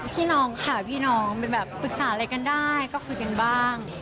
พี่น้องค่ะพี่น้องเป็นแบบปรึกษาอะไรกันได้ก็คุยกันบ้าง